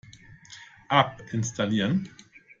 App installieren.